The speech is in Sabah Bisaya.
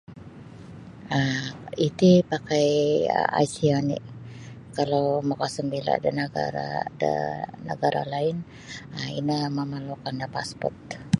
um Iti pakai IC oni kalau makasambila da nagara da nagara lain um ino mamarlukan da passport.